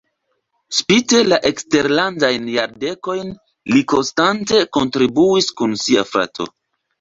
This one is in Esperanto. Spite la eksterlandajn jardekojn li konstante kontribuis kun sia frato.